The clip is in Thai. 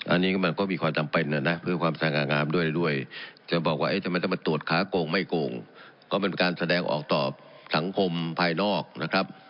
อันนี้ก็มันก็มีความจำเป็นนะนะเพื่อความสง่างามด้วยจะบอกว่าเอ๊ะทำไมต้องมาตรวจค้าโกงไม่โกงก็เป็นการแสดงออกต่อสังคมภายนอกนะครับ